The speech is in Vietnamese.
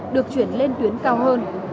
được chuyển lên tuyến cao hơn